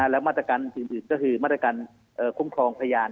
และมาตรการอื่นก็คือมาตรการคุ้มครองพยาน